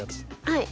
はい。